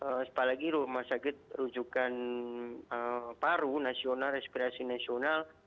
apalagi rumah sakit rujukan paru nasional respirasi nasional